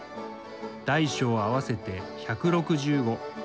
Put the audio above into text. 大小あわせて１６５。